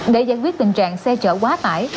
để giải quyết tình trạng xe chở quá tải